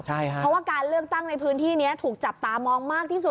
เพราะว่าการเลือกตั้งในพื้นที่นี้ถูกจับตามองมากที่สุด